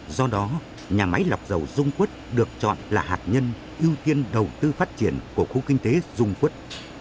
do đó nhà máy lọc dầu dung quất được chọn là hạt nhân ưu tiên đầu tư phát triển của khu kinh tế dung quất